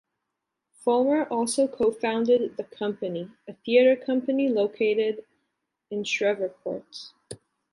Folmer also co-founded "The Company", a theater company located in Shreveport.